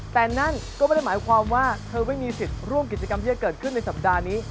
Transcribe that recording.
แต่นั่นก็ไม่ได้หมายความว่าเธอไม่มีสิทธิ์ร่วมกิจกรรมที่จะเกิดขึ้นในสัปดาห์นี้